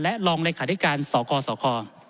และรองโรงคุมสหกคร